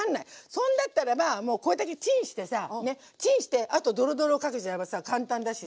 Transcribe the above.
そんだったらばもうこれだけチンしてさチンしてあとドロドロかけちゃえばさ簡単だしさ。